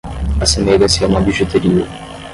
Assemelha-se a uma bijuteria